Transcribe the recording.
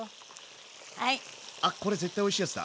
あっこれ絶対おいしいやつだ。